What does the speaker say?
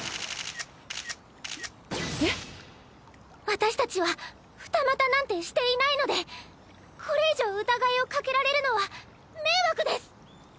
私たちは二股なんてしていないのでこれ以上疑いをかけられるのは迷惑です。